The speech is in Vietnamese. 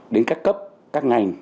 đến các cấp các ngành